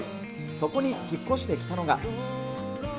そこに引っ越してきたのが。